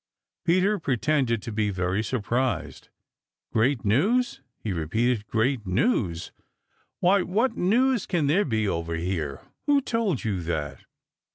Peter pretended to be very much surprised. "Great news!" he repeated. "Great news! Why, what news can there be over here? Who told you that?"